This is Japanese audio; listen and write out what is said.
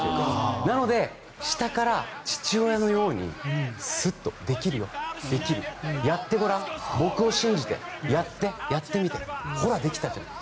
なので下から父親のようにすっと、できるよ、できるやってごらん、僕を信じてやってやってみてほら、できたじゃん。